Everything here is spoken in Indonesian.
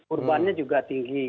urbannya juga tinggi